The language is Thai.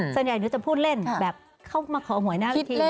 ส่วนใหญ่หนูจะพูดเล่นแบบเข้ามาขอหวยหน้าเวทีเนี่ย